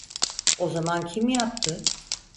O zaman kim yaptı?